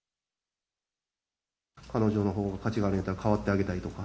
彼女のほうが価値があるんだったら、代わってあげたいとか。